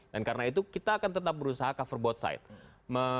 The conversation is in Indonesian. dan karena itu kita akan tetap berusaha cover both side